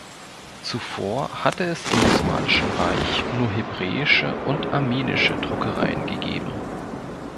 Zuvor hatte es im Osmanischen Reich nur hebräische und armenische Druckereien gegeben.